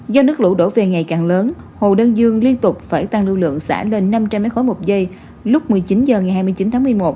do nước lũ đổ về ngày càng lớn hồ đơn dương liên tục phải tăng lưu lượng xả lên năm trăm linh m ba một giây lúc một mươi chín h ngày hai mươi chín tháng một mươi một